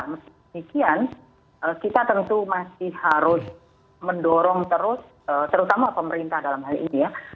meski demikian kita tentu masih harus mendorong terus terutama pemerintah dalam hal ini ya